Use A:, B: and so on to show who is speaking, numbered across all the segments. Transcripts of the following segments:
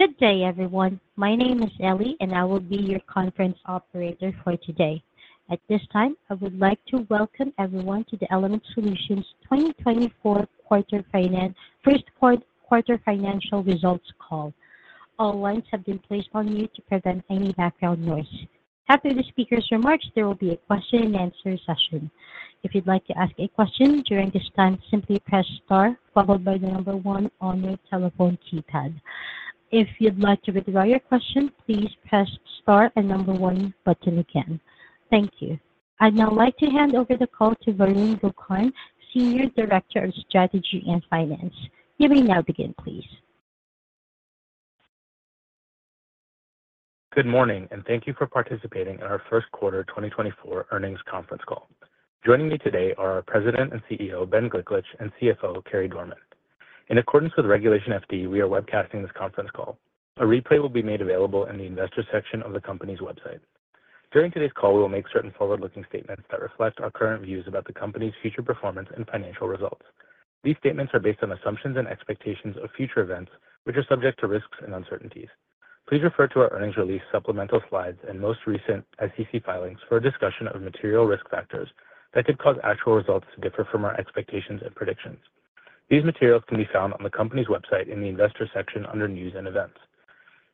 A: Good day, everyone. My name is Ellie, and I will be your conference operator for today. At this time, I would like to welcome everyone to the Element Solutions 2024 first quarter financial results call. All lines have been placed on mute to prevent any background noise. After the speaker's remarks, there will be a question and answer session. If you'd like to ask a question during this time, simply press star followed by the number one on your telephone keypad. If you'd like to withdraw your question, please press star and number one button again. Thank you. I'd now like to hand over the call to Varun Gokarn, Senior Director of Strategy and Finance. You may now begin, please.
B: Good morning, and thank you for participating in our first quarter 2024 earnings conference call. Joining me today are our President and CEO, Ben Gliklich, and CFO, Carey Dorman. In accordance with Regulation FD, we are webcasting this conference call. A replay will be made available in the Investors section of the company's website. During today's call, we will make certain forward-looking statements that reflect our current views about the company's future performance and financial results. These statements are based on assumptions and expectations of future events, which are subject to risks and uncertainties. Please refer to our earnings release, supplemental slides, and most recent SEC filings for a discussion of material risk factors that could cause actual results to differ from our expectations and predictions. These materials can be found on the company's website in the Investors section under News & Events.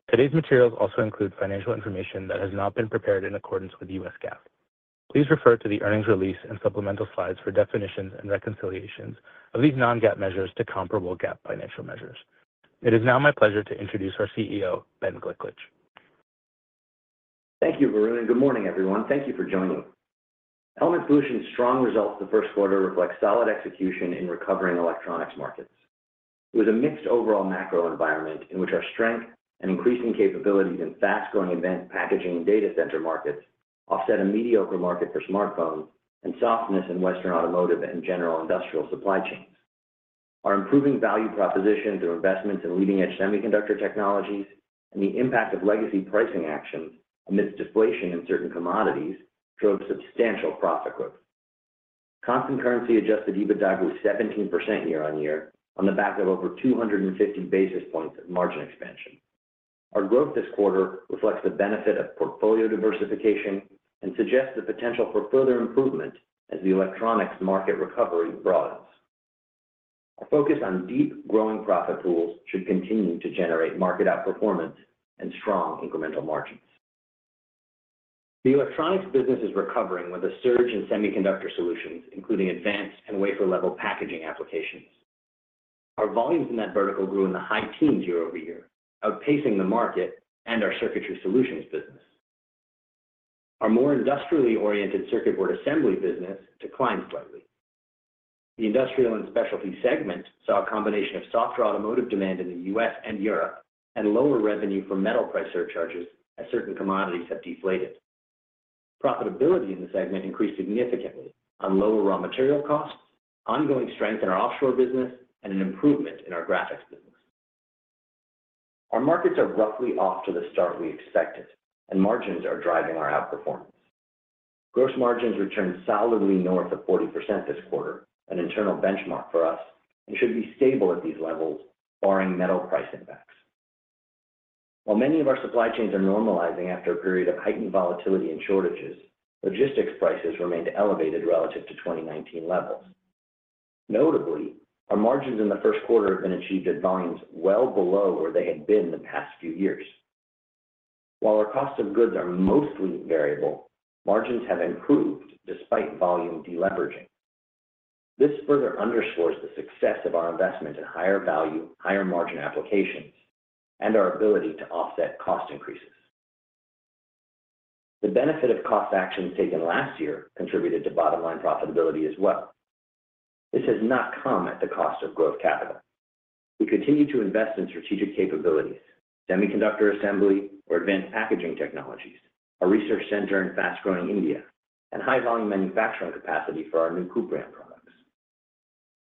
B: Today's materials also include financial information that has not been prepared in accordance with the U.S. GAAP. Please refer to the earnings release and supplemental slides for definitions and reconciliations of these non-GAAP measures to comparable GAAP financial measures. It is now my pleasure to introduce our CEO, Ben Gliklich.
C: Thank you, Varun, and good morning, everyone. Thank you for joining. Element Solutions' strong results in the first quarter reflect solid execution in recovering electronics markets. It was a mixed overall macro environment in which our strength and increasing capabilities in fast-growing advanced packaging and data center markets offset a mediocre market for smartphones and softness in Western automotive and general industrial supply chains. Our improving value propositions and investments in leading-edge semiconductor technologies and the impact of legacy pricing actions amidst deflation in certain commodities drove substantial profit growth. Constant currency adjusted EBITDA grew 17% year-on-year on the back of over 250 basis points of margin expansion. Our growth this quarter reflects the benefit of portfolio diversification and suggests the potential for further improvement as the electronics market recovery broadens. Our focus on deep, growing profit pools should continue to generate market outperformance and strong incremental margins. The electronics business is recovering with a surge in Semiconductor Solutions, including advanced and wafer-level packaging applications. Our volumes in that vertical grew in the high teens year-over-year, outpacing the market and our Circuitry Solutions business. Our more industrially oriented circuit board assembly business declined slightly. The Industrial & Specialty segment saw a combination of softer automotive demand in the U.S. and Europe and lower revenue from metal price surcharges as certain commodities have deflated. Profitability in the segment increased significantly on lower raw material costs, ongoing strength in our offshore business, and an improvement in our graphics business. Our markets are roughly off to the start we expected, and margins are driving our outperformance. Gross margins returned solidly north of 40% this quarter, an internal benchmark for us, and should be stable at these levels, barring metal price impacts. While many of our supply chains are normalizing after a period of heightened volatility and shortages, logistics prices remained elevated relative to 2019 levels. Notably, our margins in the first quarter have been achieved at volumes well below where they had been the past few years. While our costs of goods are mostly variable, margins have improved despite volume deleveraging. This further underscores the success of our investment in higher value, higher margin applications and our ability to offset cost increases. The benefit of cost actions taken last year contributed to bottom-line profitability as well. This has not come at the cost of growth capital. We continue to invest in strategic capabilities, semiconductor assembly or advanced packaging technologies, a research center in fast-growing India, and high-volume manufacturing capacity for our new Kuprion products.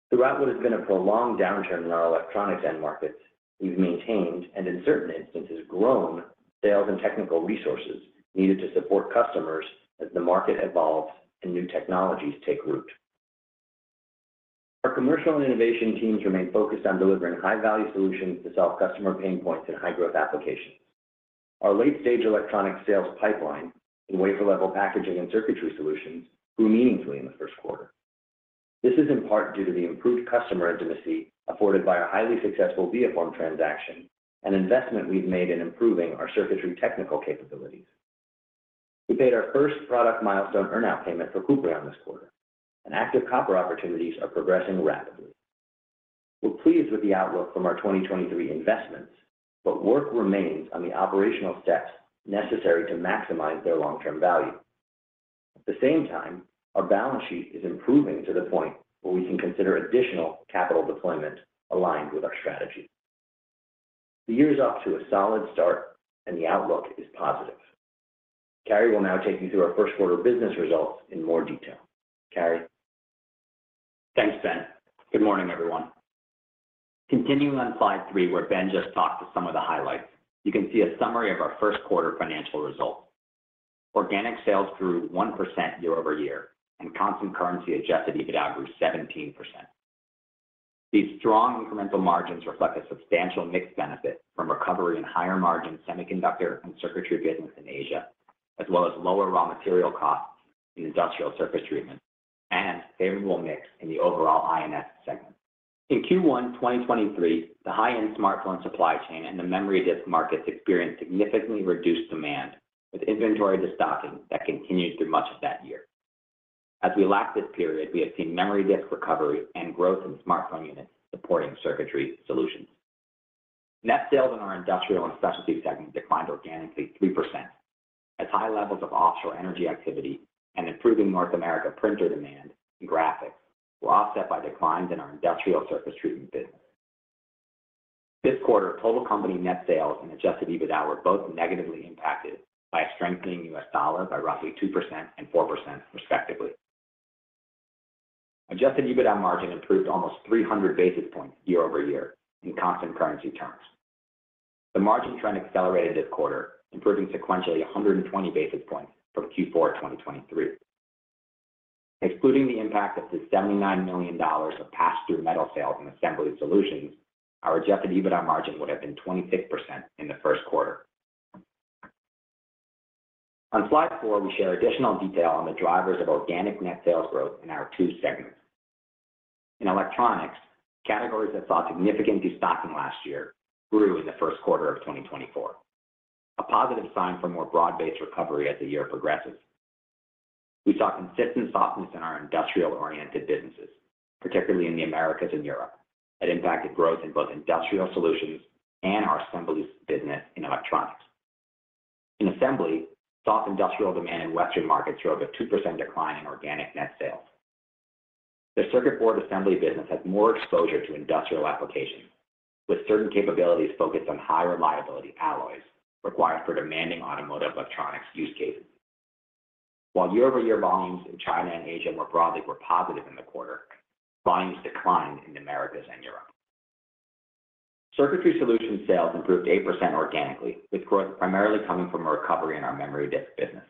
C: Throughout what has been a prolonged downturn in our electronics end markets, we've maintained and in certain instances, grown sales and technical resources needed to support customers as the market evolves and new technologies take root. Our commercial and innovation teams remain focused on delivering high-value solutions to solve customer pain points in high-growth applications. Our late-stage electronic sales pipeline in wafer-level packaging and circuitry solutions grew meaningfully in the first quarter. This is in part due to the improved customer intimacy afforded by our highly successful ViaForm transaction and investment we've made in improving our circuitry technical capabilities. We paid our first product milestone earn-out payment for Kuprion this quarter, and active copper opportunities are progressing rapidly. We're pleased with the outlook from our 2023 investments, but work remains on the operational steps necessary to maximize their long-term value. At the same time, our balance sheet is improving to the point where we can consider additional capital deployment aligned with our strategy. The year is off to a solid start, and the outlook is positive. Carey will now take you through our first quarter business results in more detail. Carey?
D: Thanks, Ben. Good morning, everyone. Continuing on slide three, where Ben just talked to some of the highlights, you can see a summary of our first quarter financial results. Organic sales grew 1% year-over-year, and constant currency adjusted EBITDA grew 17%. These strong incremental margins reflect a substantial mix benefit from recovery in higher margin semiconductor and circuitry business in Asia, as well as lower raw material costs in Industrial Surface Treatmentt and favorable mix in the overall INS segment. In Q1 2023, the high-end smartphone supply chain and the memory disk markets experienced significantly reduced demand, with inventory destocking that continued through much of that year. As we lap this period, we have seen memory disk recovery and growth in smartphone units supporting circuitry solutions. Net sales in our industrial and specialty segment declined organically 3%, as high levels of offshore energy activity and improving North America printer demand and graphics were offset by declines in our industrial surface treatment business. This quarter, total company net sales and Adjusted EBITDA were both negatively impacted by a strengthening U.S. dollar by roughly 2% and 4% respectively. Adjusted EBITDA margin improved almost 300 basis points year-over-year in constant currency terms. The margin trend accelerated this quarter, improving sequentially 120 basis points from Q4, 2023. Excluding the impact of the $79 million of pass-through metal sales and Assembly Solutions, our Adjusted EBITDA margin would have been 26% in the first quarter. On Slide 4, we share additional detail on the drivers of organic net sales growth in our two segments. In electronics, categories that saw significant destocking last year grew in the first quarter of 2024, a positive sign for more broad-based recovery as the year progresses. We saw consistent softness in our industrial-oriented businesses, particularly in the Americas and Europe, that impacted growth in both Industrial Solutions and our assemblies business in electronics. In assembly, soft industrial demand in Western markets drove a 2% decline in organic net sales. The circuit board assembly business has more exposure to industrial applications, with certain capabilities focused on high reliability alloys required for demanding automotive electronics use cases. While year-over-year volumes in China and Asia more broadly were positive in the quarter, volumes declined in Americas and Europe. Circuitry solutions sales improved 8% organically, with growth primarily coming from a recovery in our memory disk business.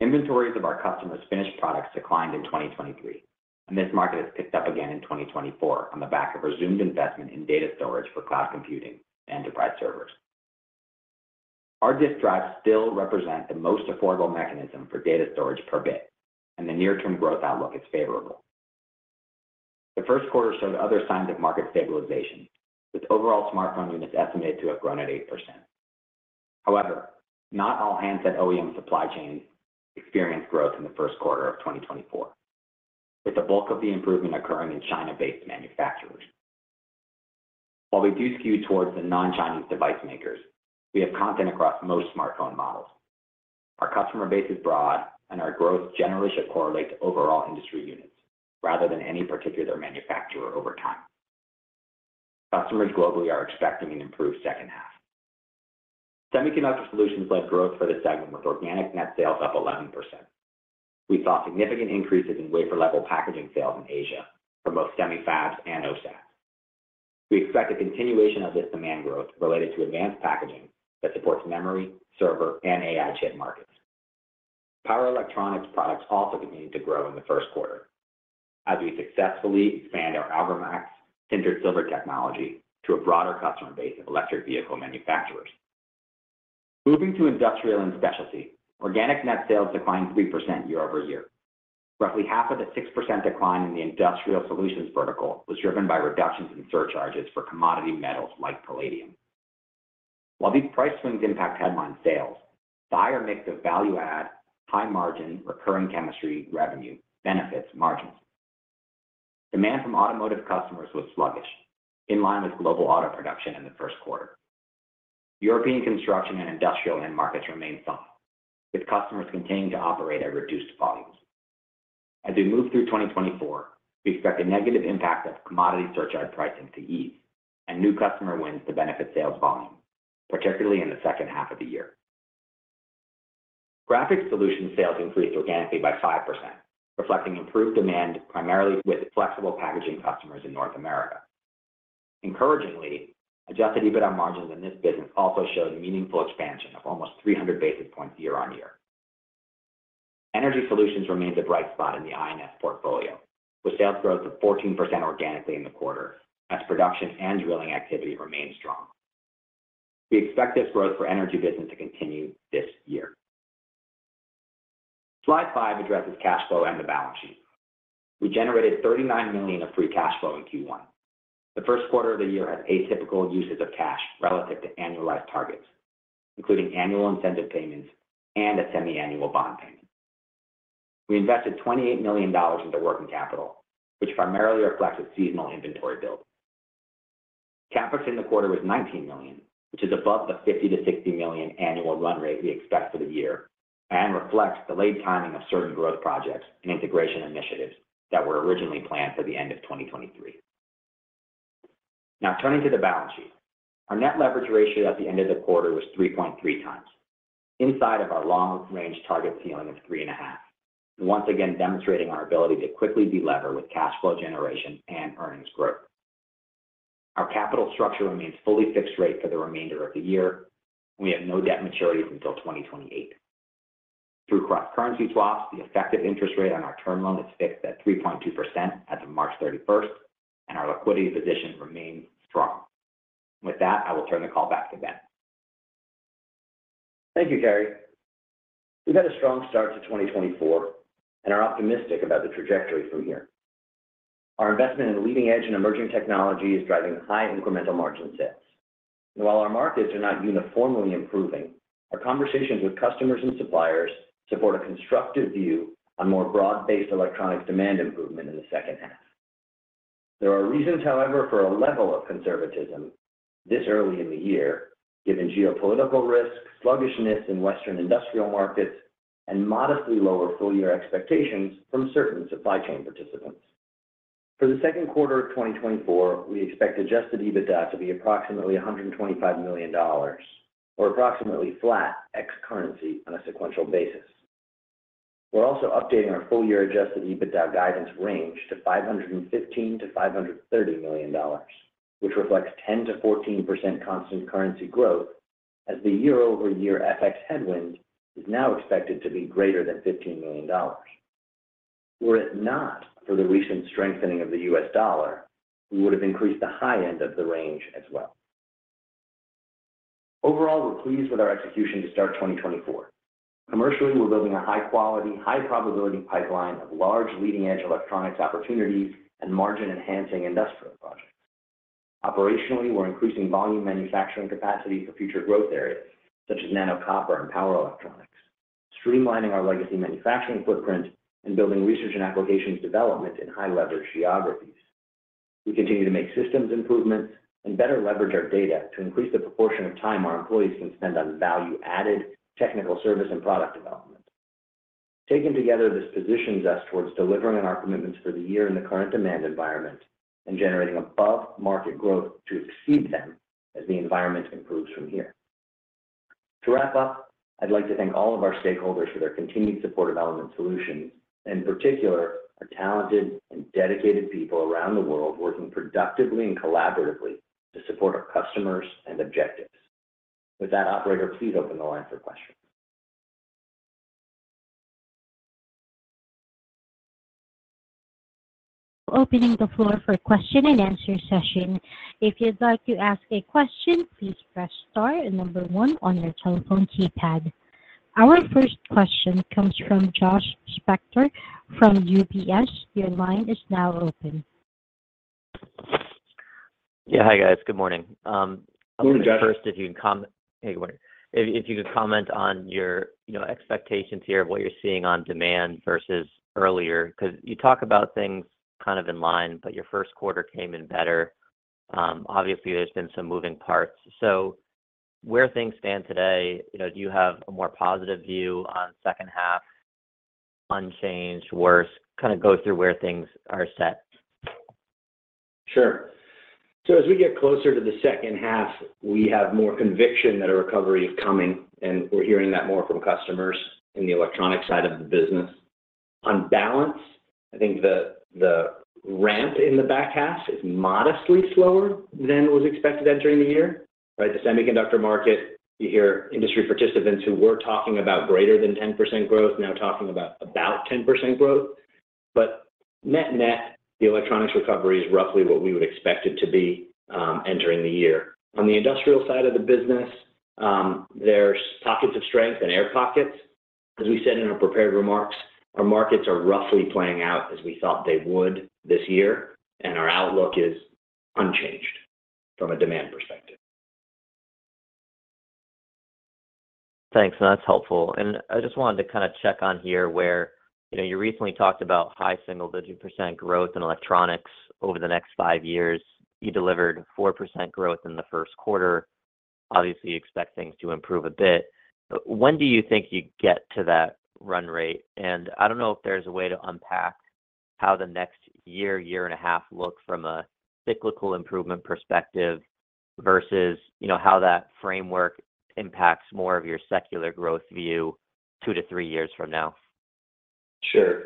D: Inventories of our customers' finished products declined in 2023, and this market has picked up again in 2024 on the back of resumed investment in data storage for cloud computing and enterprise servers. Our disk drives still represent the most affordable mechanism for data storage per bit, and the near term growth outlook is favorable. The first quarter showed other signs of market stabilization, with overall smartphone units estimated to have grown at 8%. However, not all handset OEM supply chains experienced growth in the first quarter of 2024, with the bulk of the improvement occurring in China-based manufacturers. While we do skew towards the non-Chinese device makers, we have content across most smartphone models. Our customer base is broad, and our growth generally should correlate to overall industry units rather than any particular manufacturer over time. Customers globally are expecting an improved second half. Semiconductor solutions led growth for the segment, with organic net sales up 11%. We saw significant increases in wafer-level packaging sales in Asia for both semi fabs and OSAT. We expect a continuation of this demand growth related to advanced packaging that supports memory, server, and AI chip markets. Power electronics products also continued to grow in the first quarter as we successfully expand our ArgoMax tin/silver technology to a broader customer base of electric vehicle manufacturers. Moving to industrial and specialty, organic net sales declined 3% year-over-year. Roughly half of the 6% decline in the industrial solutions vertical was driven by reductions in surcharges for commodity metals like palladium. While these price swings impact headline sales, buyer mix of value-add, high-margin, recurring chemistry revenue benefits margins. Demand from automotive customers was sluggish, in line with global auto production in the first quarter. European construction and industrial end markets remain soft, with customers continuing to operate at reduced volumes. As we move through 2024, we expect a negative impact of commodity surcharge pricing to ease and new customer wins to benefit sales volume, particularly in the second half of the year. Graphics Solutions sales increased organically by 5%, reflecting improved demand, primarily with flexible packaging customers in North America. Encouragingly, Adjusted EBITDA margins in this business also showed a meaningful expansion of almost 300 basis points year-on-year. Energy Solutions remains a bright spot in the INS portfolio, with sales growth of 14% organically in the quarter as production and drilling activity remains strong. We expect this growth for energy business to continue this year. Slide 5 addresses cash flow and the balance sheet. We generated $39 million of free cash flow in Q1. The first quarter of the year has atypical uses of cash relative to annualized targets, including annual incentive payments and a semiannual bond payment. We invested $28 million into working capital, which primarily reflects a seasonal inventory build. CapEx in the quarter was $19 million, which is above the $50 million-$60 million annual run rate we expect for the year, and reflects the late timing of certain growth projects and integration initiatives that were originally planned for the end of 2023. Now, turning to the balance sheet. Our net leverage ratio at the end of the quarter was 3.3 times, inside of our long-range target ceiling of 3.5, and once again demonstrating our ability to quickly delever with cash flow generation and earnings growth. Our capital structure remains fully fixed rate for the remainder of the year. We have no debt maturities until 2028. Through cross-currency swaps, the effective interest rate on our term loan is fixed at 3.2% as of March 31st, and our liquidity position remains strong. With that, I will turn the call back to Ben.
C: Thank you, Carey. We've had a strong start to 2024 and are optimistic about the trajectory from here. Our investment in leading-edge and emerging technology is driving high incremental margin sets. And while our markets are not uniformly improving, our conversations with customers and suppliers support a constructive view on more broad-based electronic demand improvement in the second half. There are reasons, however, for a level of conservatism this early in the year, given geopolitical risks, sluggishness in Western industrial markets, and modestly lower full-year expectations from certain supply chain participants. For the second quarter of 2024, we expect Adjusted EBITDA to be approximately $125 million, or approximately flat ex-currency on a sequential basis. We're also updating our full year Adjusted EBITDA guidance range to $515 million-$530 million, which reflects 10%-14% constant currency growth, as the year-over-year FX headwind is now expected to be greater than $15 million. Were it not for the recent strengthening of the U.S. dollar, we would have increased the high end of the range as well. Overall, we're pleased with our execution to start 2024. Commercially, we're building a high-quality, high-probability pipeline of large leading-edge electronics opportunities and margin-enhancing industrial projects. Operationally, we're increasing volume manufacturing capacity for future growth areas, such as nano copper and power electronics, streamlining our legacy manufacturing footprint, and building research and applications development in high-leverage geographies. We continue to make systems improvements and better leverage our data to increase the proportion of time our employees can spend on value-added technical service and product development. Taken together, this positions us towards delivering on our commitments for the year in the current demand environment and generating above-market growth to exceed them as the environment improves from here. To wrap up, I'd like to thank all of our stakeholders for their continued support of Element Solutions, and in particular, our talented and dedicated people around the world, working productively and collaboratively to support our customers and objectives. With that, operator, please open the line for questions.
A: Opening the floor for question and answer session. If you'd like to ask a question, please press star and number one on your telephone keypad. Our first question comes from Josh Spector from UBS. Your line is now open.
E: Yeah. Hi, guys. Good morning.
C: Good morning, Josh.
E: First, if you can comment... Hey, good morning. If you could comment on your, you know, expectations here of what you're seeing on demand versus earlier, 'cause you talk about things kind of in line, but your first quarter came in better. Obviously, there's been some moving parts. So where things stand today, you know, do you have a more positive view on second half, unchanged, worse? Kind of go through where things are set.
C: Sure. So as we get closer to the second half, we have more conviction that a recovery is coming, and we're hearing that more from customers in the electronic side of the business. On balance, I think the ramp in the back half is modestly slower than was expected entering the year, right? The semiconductor market, you hear industry participants who were talking about greater than 10% growth now talking about, about 10% growth. But net-net, the electronics recovery is roughly what we would expect it to be, entering the year. On the industrial side of the business, there's pockets of strength and air pockets. As we said in our prepared remarks, our markets are roughly playing out as we thought they would this year, and our outlook is unchanged from a demand perspective.
E: Thanks, that's helpful. And I just wanted to kind of check on here where, you know, you recently talked about high single-digit % growth in electronics over the next 5 years. You delivered 4% growth in the first quarter. Obviously, you expect things to improve a bit. When do you think you'd get to that run rate? And I don't know if there's a way to unpack how the next year, year and a half, look from a cyclical improvement perspective versus, you know, how that framework impacts more of your secular growth view 2-3 years from now.
C: Sure.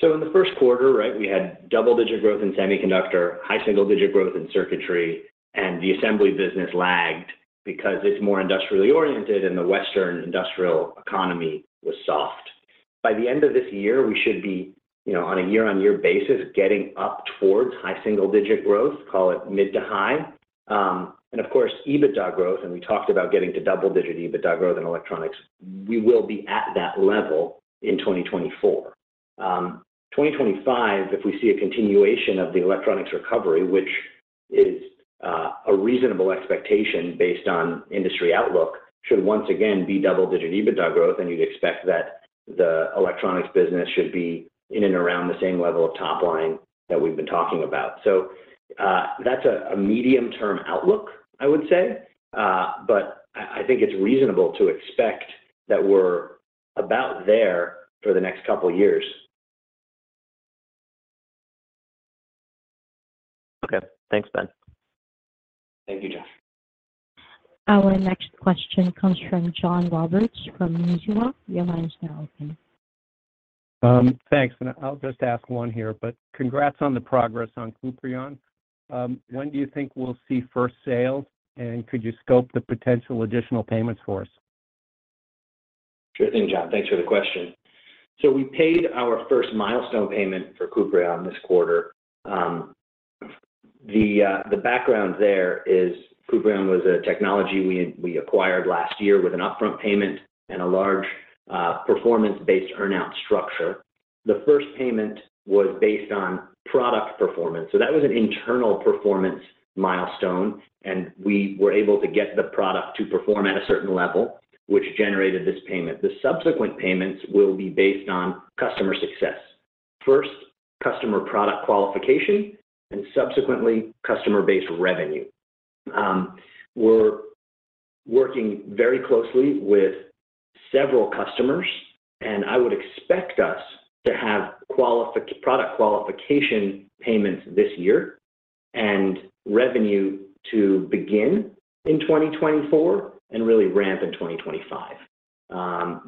C: So in the first quarter, right, we had double-digit growth in semiconductor, high single-digit growth in circuitry, and the assembly business lagged because it's more industrially oriented, and the Western industrial economy was soft. By the end of this year, we should be, you know, on a year-on-year basis, getting up towards high single-digit growth, call it mid to high. And of course, EBITDA growth, and we talked about getting to double-digit EBITDA growth in electronics. We will be at that level in 2024. 2025, if we see a continuation of the electronics recovery, which is a reasonable expectation based on industry outlook, Should once again be double-digit EBITDA growth, and you'd expect that the electronics business should be in and around the same level of top line that we've been talking about. So, that's a medium-term outlook, I would say. I think it's reasonable to expect that we're about there for the next couple of years.
E: Okay. Thanks, Ben.
C: Thank you, Josh.
A: Our next question comes from John Roberts from Mizuho. Your line is now open.
F: Thanks. I'll just ask one here, but congrats on the progress on Kuprion. When do you think we'll see first sales, and could you scope the potential additional payments for us?
C: Sure thing, John. Thanks for the question. So we paid our first milestone payment for Kuprion this quarter. The background there is Kuprion was a technology we acquired last year with an upfront payment and a large performance-based earn-out structure. The first payment was based on product performance, so that was an internal performance milestone, and we were able to get the product to perform at a certain level, which generated this payment. The subsequent payments will be based on customer success. First, customer product qualification, and subsequently, customer-based revenue. We're working very closely with several customers, and I would expect us to have product qualification payments this year and revenue to begin in 2024 and really ramp in 2025.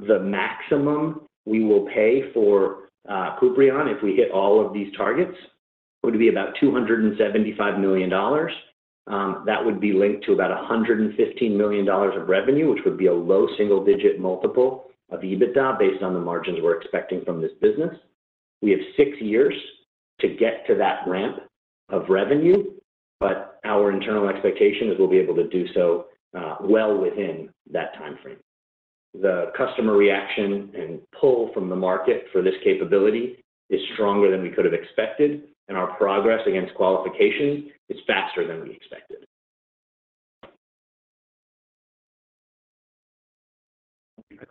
C: The maximum we will pay for Kuprion, if we hit all of these targets, would be about $275 million. That would be linked to about $115 million of revenue, which would be a low single-digit multiple of EBITDA based on the margins we're expecting from this business. We have six years to get to that ramp of revenue, but our internal expectation is we'll be able to do so well within that timeframe. The customer reaction and pull from the market for this capability is stronger than we could have expected, and our progress against qualification is faster than we expected.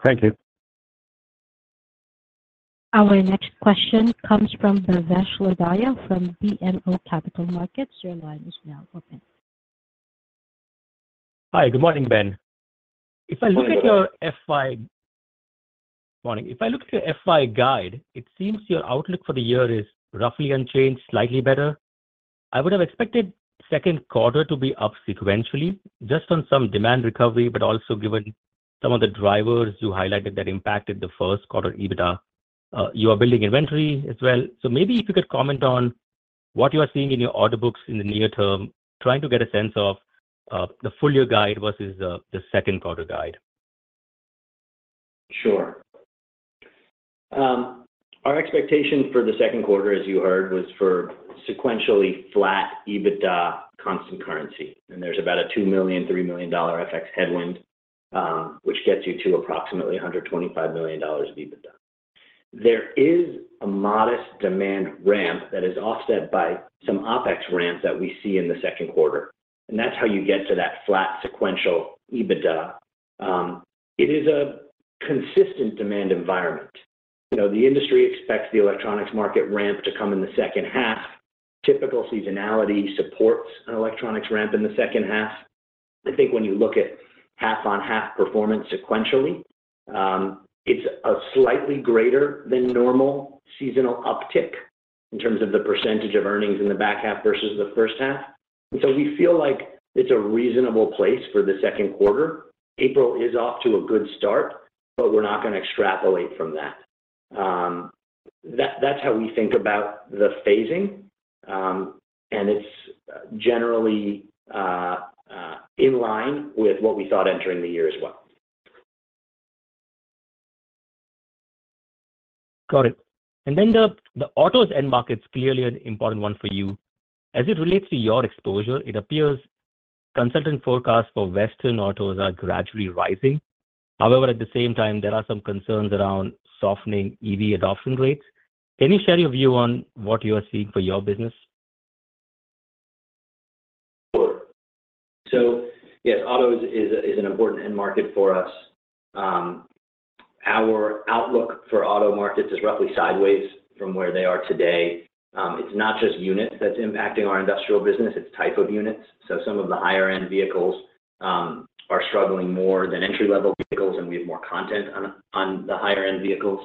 F: Thank you.
A: Our next question comes from Bhavesh Lodaya from BMO Capital Markets. Your line is now open.
G: Hi, good morning, Ben. If I look at your FY guide, it seems your outlook for the year is roughly unchanged, slightly better. I would have expected second quarter to be up sequentially, just on some demand recovery, but also given some of the drivers you highlighted that impacted the first quarter EBITDA. You are building inventory as well. So maybe if you could comment on what you are seeing in your order books in the near term, trying to get a sense of the full year guide versus the second quarter guide.
C: Sure. Our expectation for the second quarter, as you heard, was for sequentially flat EBITDA constant currency, and there's about a $2 million-$3 million FX headwind, which gets you to approximately $125 million of EBITDA. There is a modest demand ramp that is offset by some OpEx ramps that we see in the second quarter, and that's how you get to that flat sequential EBITDA. It is a consistent demand environment. You know, the industry expects the electronics market ramp to come in the second half. Typical seasonality supports an electronics ramp in the second half. I think when you look at half-on-half performance sequentially, it's a slightly greater than normal seasonal uptick in terms of the percentage of earnings in the back half versus the first half. We feel like it's a reasonable place for the second quarter. April is off to a good start, but we're not going to extrapolate from that. That's how we think about the phasing, and it's generally in line with what we thought entering the year as well.
G: Got it. And then the autos end market is clearly an important one for you. As it relates to your exposure, it appears consultant forecasts for Western autos are gradually rising. However, at the same time, there are some concerns around softening EV adoption rates. Can you share your view on what you are seeing for your business?
C: Sure. So yes, autos is an important end market for us. Our outlook for auto markets is roughly sideways from where they are today. It's not just units that's impacting our industrial business, it's type of units. So some of the higher end vehicles are struggling more than entry-level vehicles, and we have more content on the higher end vehicles.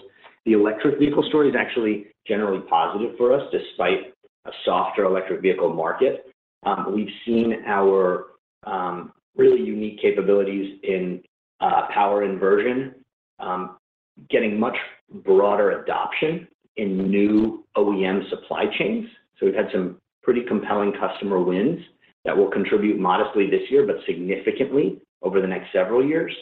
C: The electric vehicle story is actually generally positive for us, despite a softer electric vehicle market. We've seen our really unique capabilities in power inversion getting much broader adoption in new OEM supply chains. So we've had some pretty compelling customer wins that will contribute modestly this year, but significantly over the next several years.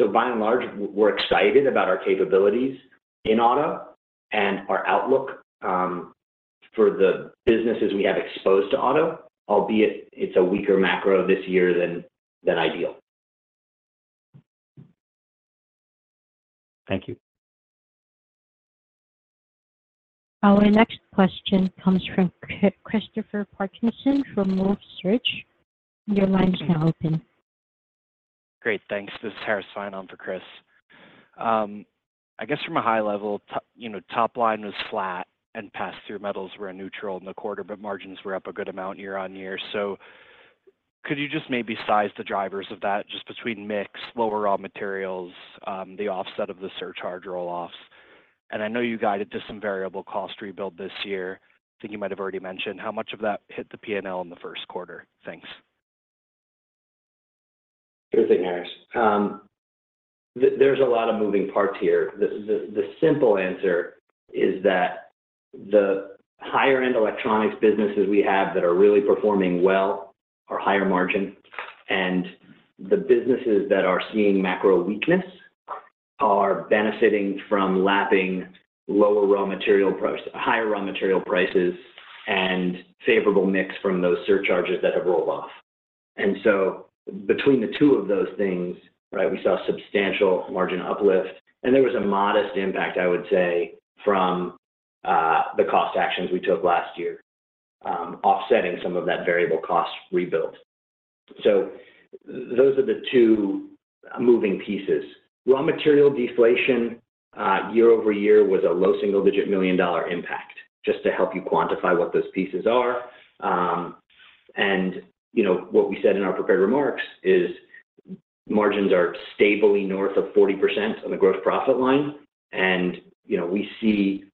C: By and large, we're excited about our capabilities in auto and our outlook for the businesses we have exposed to auto, albeit it's a weaker macro this year than ideal.
G: Thank you.
A: Our next question comes from Christopher Parkinson from Wolfe Research. Your line is now open.
H: Great, thanks. This is Harris Fein for Chris. I guess from a high level, you know, top line was flat and pass-through metals were a neutral in the quarter, but margins were up a good amount year on year. So could you just maybe size the drivers of that, just between mix, lower raw materials, the offset of the surcharge roll-offs? And I know you guided to some variable cost rebuild this year. I think you might have already mentioned how much of that hit the PNL in the first quarter. Thanks.
C: Sure thing, Harris. There's a lot of moving parts here. The simple answer is that the higher end electronics businesses we have that are really performing well are higher margin, and the businesses that are seeing macro weakness are benefiting from lapping lower raw material prices, higher raw material prices, and favorable mix from those surcharges that have rolled off. And so between the two of those things, right, we saw substantial margin uplift, and there was a modest impact, I would say, from the cost actions we took last year, offsetting some of that variable cost rebuild. So those are the two moving pieces. Raw material deflation year-over-year was a low single-digit $ million impact, just to help you quantify what those pieces are. And, you know, what we said in our prepared remarks is margins are stably north of 40% on the gross profit line, and, you know, we see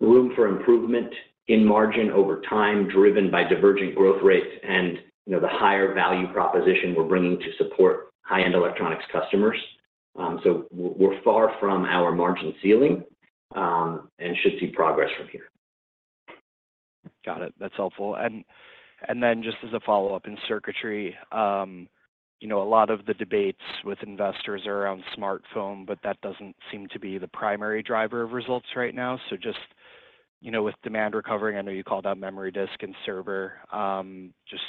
C: room for improvement in margin over time, driven by divergent growth rates and, you know, the higher value proposition we're bringing to support high-end electronics customers. So we're far from our margin ceiling, and should see progress from here.
H: Got it. That's helpful. And then just as a follow-up, in circuitry, you know, a lot of the debates with investors are around smartphone, but that doesn't seem to be the primary driver of results right now. So just, you know, with demand recovering, I know you called out memory disk and server. Just,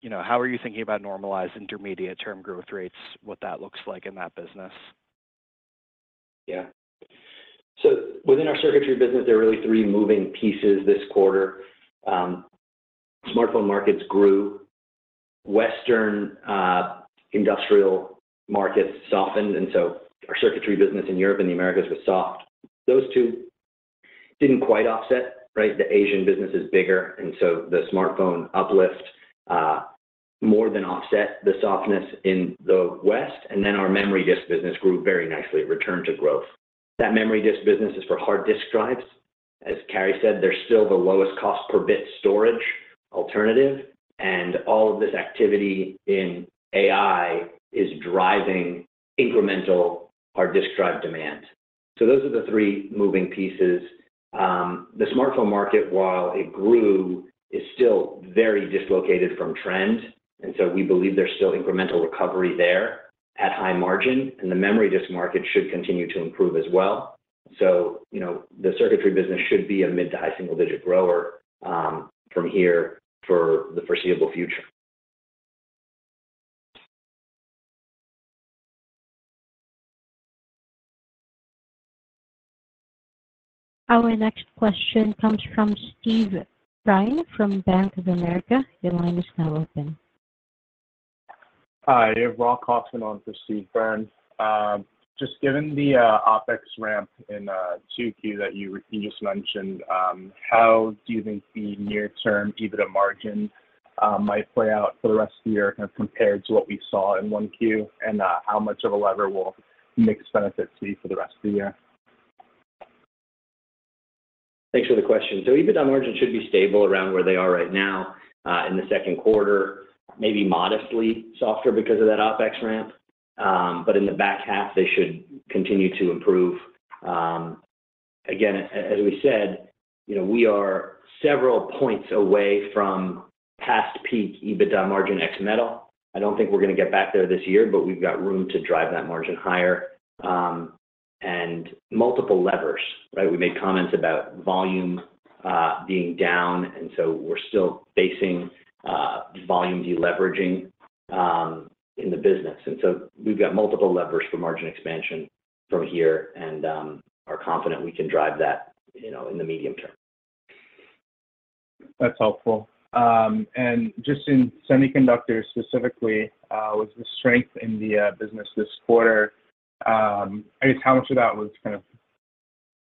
H: you know, how are you thinking about normalized intermediate-term growth rates, what that looks like in that business?
C: Yeah. So within our circuitry business, there are really three moving pieces this quarter. Smartphone markets grew, Western industrial markets softened, and so our circuitry business in Europe and the Americas was soft. Those two didn't quite offset, right? The Asian business is bigger, and so the smartphone uplift more than offset the softness in the West, and then our memory disk business grew very nicely, returned to growth. That memory disk business is for hard disk drives. As Carey said, they're still the lowest cost per bit storage alternative, and all of this activity in AI is driving incremental hard disk drive demand. So those are the three moving pieces. The smartphone market, while it grew, is still very dislocated from trend, and so we believe there's still incremental recovery there at high margin, and the memory disk market should continue to improve as well. So, you know, the circuitry business should be a mid- to high-single-digit grower from here for the foreseeable future.
A: Our next question comes from Steve Byrnefrom Bank of America. Your line is now open.
I: Hi, it's Rob Hoffman on for Steve Byrne. Just given the, OpEx ramp in, 2Q that you just mentioned, how do you think the near-term EBITDA margin, might play out for the rest of the year, kind of, compared to what we saw in 1Q? And, how much of a lever will mix benefits see for the rest of the year?
C: Thanks for the question. So EBITDA margins should be stable around where they are right now, in the second quarter, maybe modestly softer because of that OpEx ramp. But in the back half, they should continue to improve. Again, as we said, you know, we are several points away from past peak EBITDA margin ex metal. I don't think we're gonna get back there this year, but we've got room to drive that margin higher, and multiple levers, right? We made comments about volume, being down, and so we're still facing, volume deleveraging, in the business. And so we've got multiple levers for margin expansion from here and, are confident we can drive that, you know, in the medium term.
I: That's helpful. And just in semiconductors specifically, with the strength in the business this quarter, I guess how much of that was kind of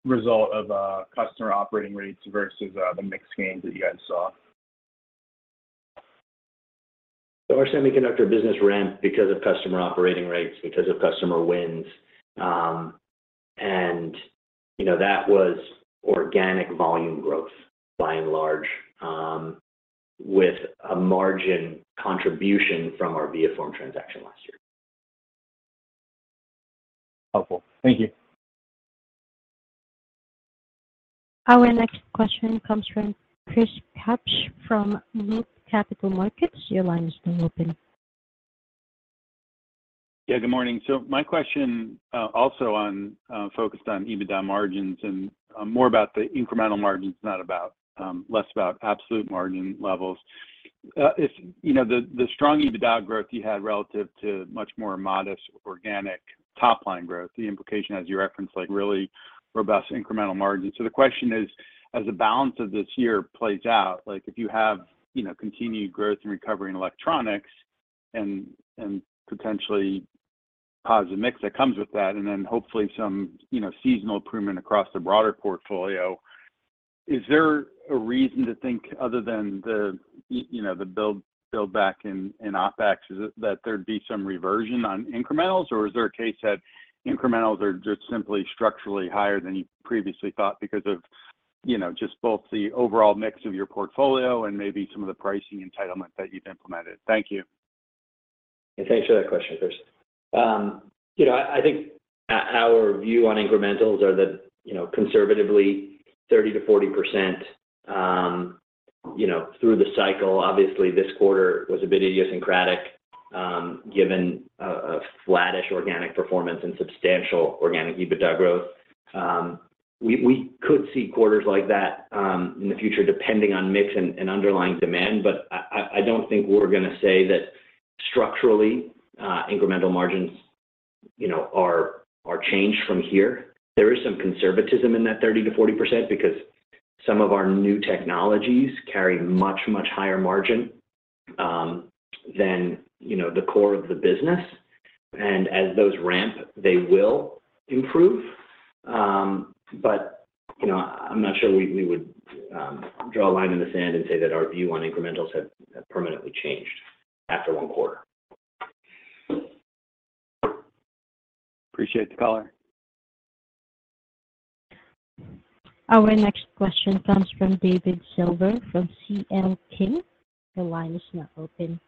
I: result of customer operating rates versus the mix gains that you guys saw?
C: Our semiconductor business ramped because of customer operating rates, because of customer wins. You know, that was organic volume growth, by and large, with a margin contribution from our ViaForm transaction last year.
I: Helpful. Thank you.
A: Our next question comes from Chris Kapsch from Loop Capital Markets. Your line is now open.
J: Yeah, good morning. So my question, also on, focused on EBITDA margins and, more about the incremental margins, not about, less about absolute margin levels. If, you know, the strong EBITDA growth you had relative to much more modest organic top-line growth, the implication, as you referenced, like really robust incremental margins. So the question is, as the balance of this year plays out, like if you have, you know, continued growth and recovery in electronics and, and potentially positive mix that comes with that, and then hopefully some, you know, seasonal improvement across the broader portfolio... Is there a reason to think other than the, you know, the build back in OpEx, is it that there'd be some reversion on incrementals? Or is there a case that incrementals are just simply structurally higher than you previously thought because of, you know, just both the overall mix of your portfolio and maybe some of the pricing entitlements that you've implemented? Thank you.
C: Thanks for that question, Chris. You know, I think our view on incrementals are that, you know, conservatively 30%-40%, you know, through the cycle. Obviously, this quarter was a bit idiosyncratic, given a flattish organic performance and substantial organic EBITDA growth. We could see quarters like that in the future, depending on mix and underlying demand, but I don't think we're gonna say that structurally, incremental margins, you know, are changed from here. There is some conservatism in that 30%-40% because some of our new technologies carry much, much higher margin than, you know, the core of the business. And as those ramp, they will improve. But, you know, I'm not sure we would draw a line in the sand and say that our view on incrementals have permanently changed after one quarter.
J: Appreciate the color.
A: Our next question comes from David Silver, from CL King. Your line is now open.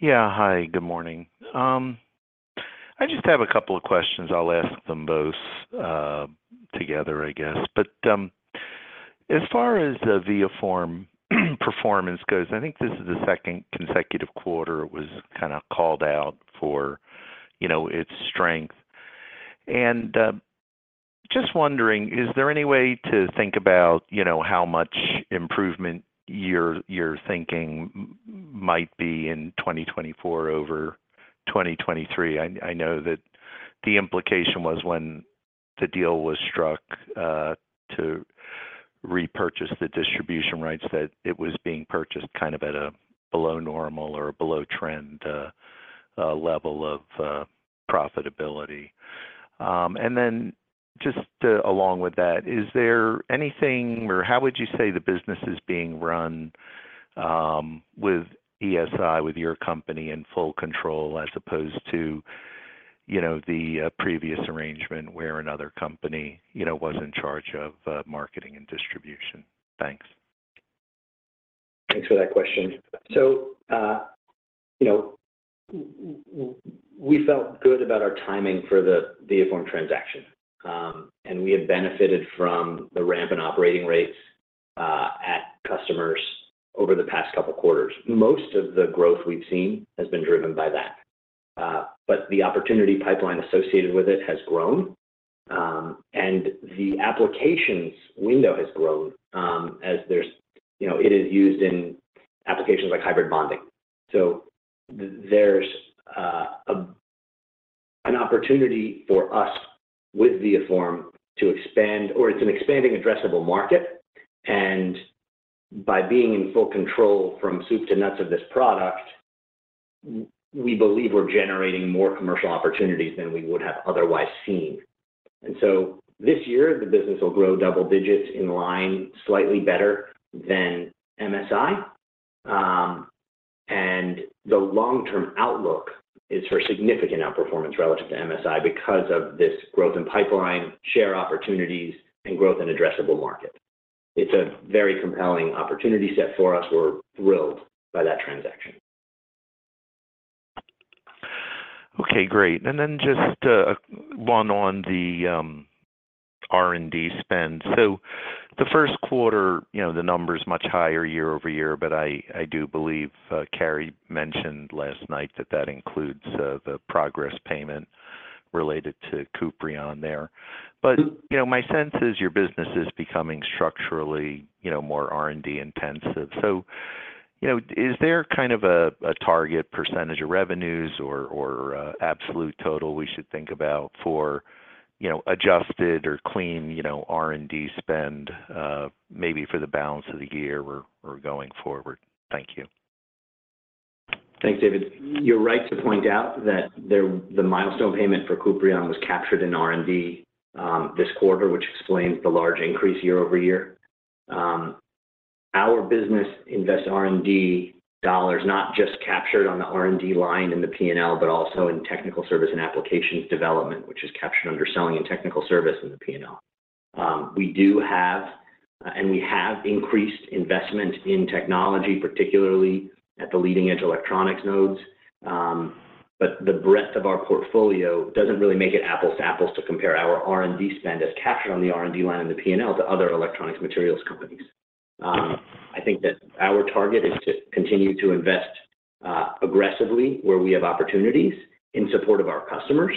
K: Yeah, hi, good morning. I just have a couple of questions. I'll ask them both, together, I guess. But, as far as the ViaForm performance goes, I think this is the second consecutive quarter it was kinda called out for, you know, its strength. And, just wondering, is there any way to think about, you know, how much improvement you're thinking might be in 2024 over 2023? I know that the implication was when the deal was struck, to repurchase the distribution rights, that it was being purchased kind of at a below normal or below trend, level of, profitability. And then just, along with that, is there anything, or how would you say the business is being run, with ESI, with your company in full control, as opposed to, you know, the previous arrangement, where another company, you know, was in charge of marketing and distribution? Thanks.
C: Thanks for that question. So, you know, we felt good about our timing for the ViaForm transaction. And we have benefited from the ramp in operating rates at customers over the past couple quarters. Most of the growth we've seen has been driven by that. But the opportunity pipeline associated with it has grown, and the applications window has grown, as there's... You know, it is used in applications like hybrid bonding. So there's an opportunity for us with ViaForm to expand, or it's an expanding addressable market, and by being in full control from soup to nuts of this product, we believe we're generating more commercial opportunities than we would have otherwise seen. And so this year, the business will grow double digits in line, slightly better than ESI. The long-term outlook is for significant outperformance relative to ESI because of this growth in pipeline, share opportunities, and growth in addressable market. It's a very compelling opportunity set for us. We're thrilled by that transaction.
K: Okay, great. And then just one on the R&D spend. So the first quarter, you know, the number's much higher year-over-year, but I, I do believe Carey mentioned last night that that includes the progress payment related to Kuprion there.
C: Mm-hmm.
K: But, you know, my sense is your business is becoming structurally, you know, more R&D intensive. So, you know, is there kind of a, a target percentage of revenues or, or, absolute total we should think about for, you know, adjusted or clean, you know, R&D spend, maybe for the balance of the year or, or going forward? Thank you.
C: Thanks, David. You're right to point out that the milestone payment for Kuprion was captured in R&D, this quarter, which explains the large increase year over year. Our business invests R&D dollars, not just captured on the R&D line in the P&L, but also in technical service and applications development, which is captured under selling and technical service in the P&L. We do have, and we have increased investment in technology, particularly at the leading-edge electronics nodes, but the breadth of our portfolio doesn't really make it apples to apples to compare our R&D spend as captured on the R&D line in the P&L to other electronics materials companies. I think that our target is to continue to invest, aggressively where we have opportunities in support of our customers.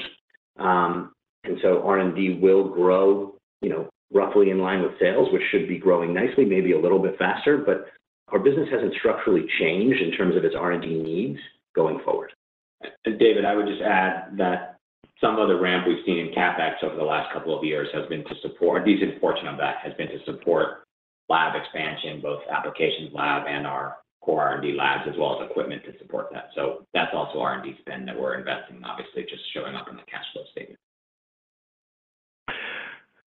C: And so R&D will grow, you know, roughly in line with sales, which should be growing nicely, maybe a little bit faster, but our business hasn't structurally changed in terms of its R&D needs going forward.
D: And David, I would just add that some of the ramp we've seen in CapEx over the last couple of years has been to support... a decent portion of that has been to support-...
C: lab expansion, both applications lab and our core R&D labs, as well as equipment to support that. So that's also R&D spend that we're investing, obviously, just showing up in the cash flow statement.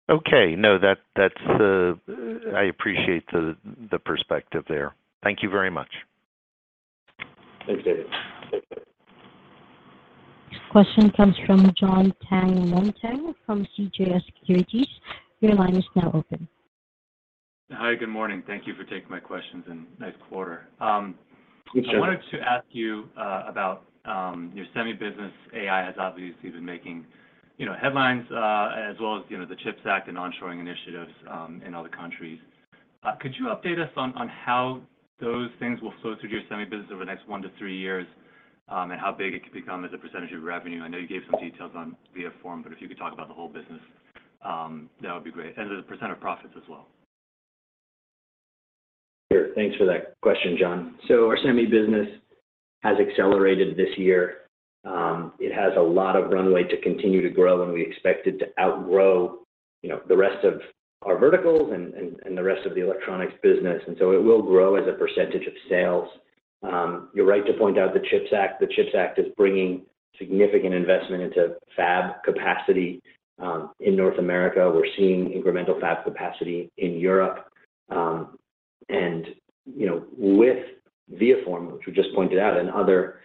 K: Okay. No, that's, I appreciate the perspective there. Thank you very much.
C: Thanks, David.
A: Question comes from John Tanwanteng from CJS Securities. Your line is now open.
L: Hi, good morning. Thank you for taking my questions, and nice quarter.
C: Please do.
L: I wanted to ask you about your semi business. AI has obviously been making, you know, headlines as well as, you know, the CHIPS Act and onshoring initiatives in other countries. Could you update us on how those things will flow through your semi business over the next 1-3 years, and how big it could become as a percentage of revenue? I know you gave some details on Viaform, but if you could talk about the whole business, that would be great, and the percent of profits as well.
C: Sure. Thanks for that question, John. So our semi business has accelerated this year. It has a lot of runway to continue to grow, and we expect it to outgrow, you know, the rest of our verticals and the rest of the electronics business, and so it will grow as a percentage of sales. You're right to point out the CHIPS Act. The CHIPS Act is bringing significant investment into fab capacity in North America. We're seeing incremental fab capacity in Europe. And, you know, with ViaForm, which we just pointed out, and other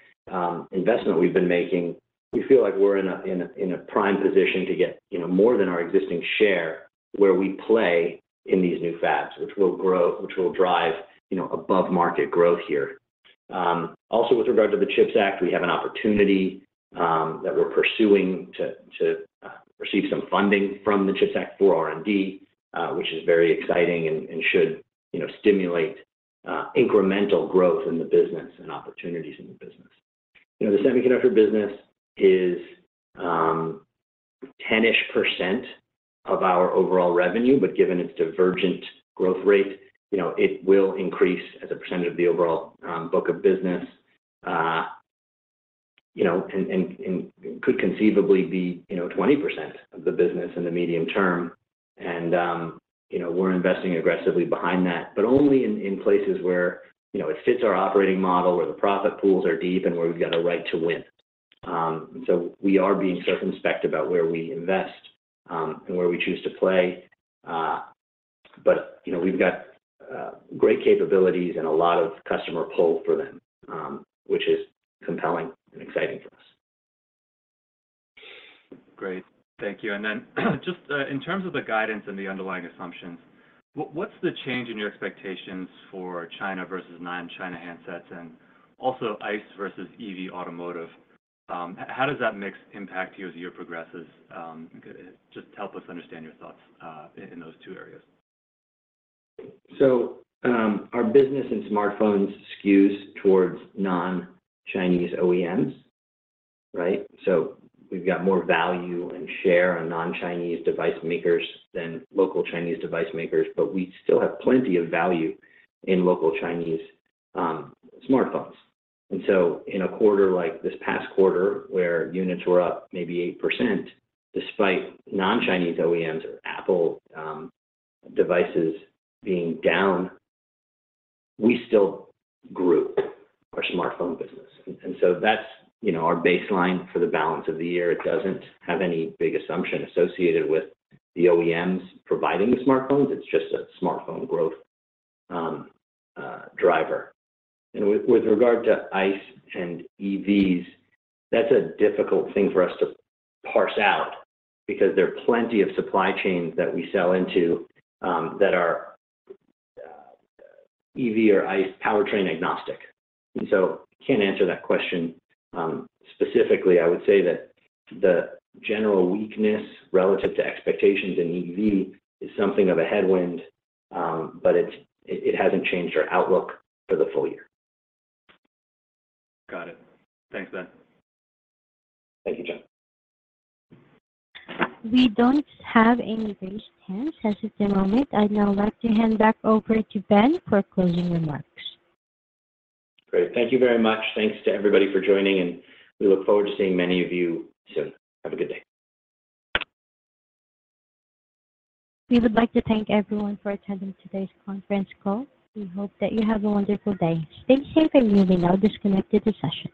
C: investment we've been making, we feel like we're in a prime position to get, you know, more than our existing share, where we play in these new fabs, which will drive, you know, above-market growth here. Also with regard to the CHIPS Act, we have an opportunity that we're pursuing to receive some funding from the CHIPS Act for R&D, which is very exciting and should, you know, stimulate incremental growth in the business and opportunities in the business. You know, the semiconductor business is 10%-ish of our overall revenue, but given its divergent growth rate, you know, it will increase as a percentage of the overall book of business. You know, and could conceivably be, you know, 20% of the business in the medium term. And you know, we're investing aggressively behind that, but only in places where, you know, it fits our operating model, where the profit pools are deep and where we've got a right to win. So we are being circumspect about where we invest, and where we choose to play. But, you know, we've got great capabilities and a lot of customer pull for them, which is compelling and exciting for us.
L: Great. Thank you. And then just in terms of the guidance and the underlying assumptions, what's the change in your expectations for China versus non-China handsets, and also ICE versus EV automotive? How does that mix impact you as the year progresses? Just help us understand your thoughts in those two areas.
C: So, our business in smartphones skews towards non-Chinese OEMs, right? So we've got more value and share on non-Chinese device makers than local Chinese device makers, but we still have plenty of value in local Chinese smartphones. And so in a quarter like this past quarter, where units were up maybe 8%, despite non-Chinese OEMs or Apple devices being down, we still grew our smartphone business. And so that's, you know, our baseline for the balance of the year. It doesn't have any big assumption associated with the OEMs providing the smartphones, it's just a smartphone growth driver. And with regard to ICE and EVs, that's a difficult thing for us to parse out, because there are plenty of supply chains that we sell into that are EV or ICE powertrain agnostic. And so I can't answer that question specifically. I would say that the general weakness relative to expectations in EV is something of a headwind, but it hasn't changed our outlook for the full year.
L: Got it. Thanks, Ben.
C: Thank you, John.
A: We don't have any raised hands as of the moment. I'd now like to hand back over to Ben for closing remarks.
C: Great. Thank you very much. Thanks to everybody for joining in, and we look forward to seeing many of you soon. Have a good day.
A: We would like to thank everyone for attending today's conference call. We hope that you have a wonderful day. Thank you. You may now disconnect at this session.